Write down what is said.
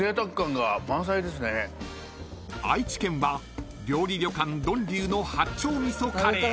［愛知県は料理旅館呑龍の八丁味噌カレー］